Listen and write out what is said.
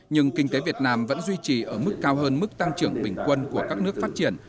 nhưng kinh tế việt nam vẫn duy trì ở mức cao hơn mức tăng trưởng bình quân của các nước phát triển